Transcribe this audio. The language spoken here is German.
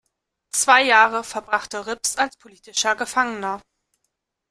Zwei Jahre verbrachte Rips als politischer Gefangener.